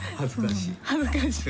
恥ずかしい。